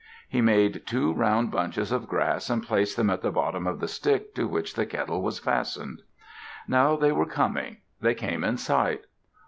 He made two round bunches of grass and placed them at the bottom of the stick to which the kettle was fastened. Now they were coming. They came in sight.